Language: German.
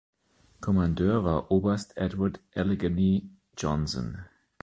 Kommandeur war Oberst Edward „Allegheny“ Johnson.